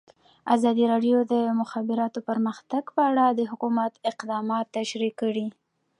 ازادي راډیو د د مخابراتو پرمختګ په اړه د حکومت اقدامات تشریح کړي.